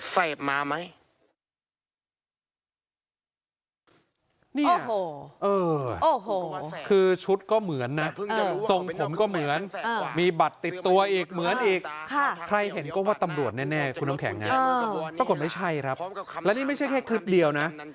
แสบมามั้ย